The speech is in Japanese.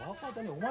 お前。